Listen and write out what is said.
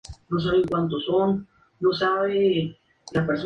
Se encuentran abiertos todos los días de la semana, excepto los lunes.